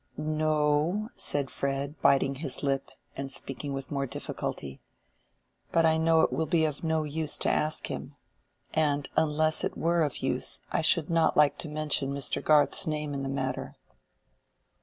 "No," said Fred, biting his lip, and speaking with more difficulty; "but I know it will be of no use to ask him; and unless it were of use, I should not like to mention Mr. Garth's name in the matter."